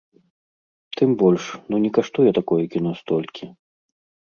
Тым больш, ну не каштуе такое кіно столькі.